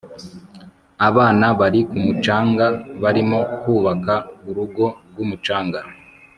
abana bari ku mucanga barimo kubaka urugo rwumucanga